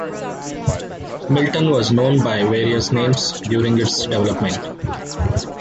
Milton was known by various names during its development.